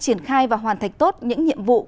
triển khai và hoàn thành tốt những nhiệm vụ